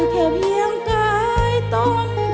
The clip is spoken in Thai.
แค่เพียงกายต้น